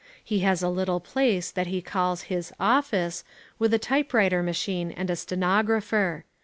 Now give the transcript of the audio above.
He has a little place that he calls his "office," with a typewriter machine and a stenographer.